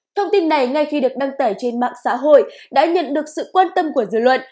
thông tin này ngay khi được đăng tải trên mạng xã hội đã nhận được sự quan tâm của dư luận